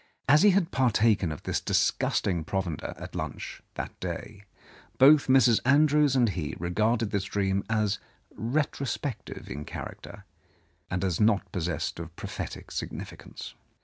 As he had partaken of this disgusting provender at lunch that i74 Mrs. Andrews's Control day, both Mrs. Andrews and he regarded this dream as retrospective in character, and as not possessed of prophetic significance.